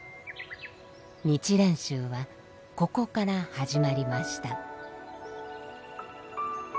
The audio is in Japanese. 日蓮宗はここから始まりました。